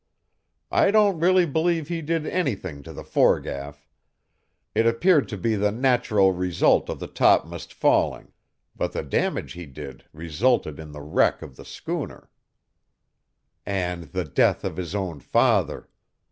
I don't really believe he did anything to the foregaff; it appeared to be the natural result of the topm'st's falling, but the damage he did resulted in the wreck of the schooner " "And the death of his own father.